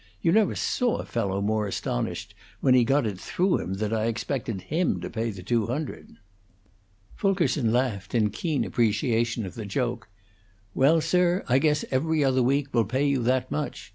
You never saw a fellow more astonished when he got it through him that I expected him to pay the two hundred." Fulkerson laughed in keen appreciation of the joke. "Well, sir, I guess 'Every Other Week' will pay you that much.